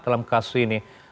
dalam kasus ini